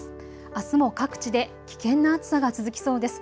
あすも各地で危険な暑さが続きそうです。